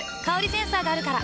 センサーがあるから。